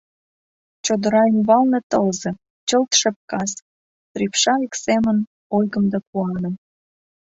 Чодыра ӱмбалне тылзе, чылт шепкас, рӱпша ик семын ойгым да куаным.